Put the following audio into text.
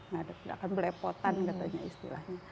tidak akan belepotan katanya istilahnya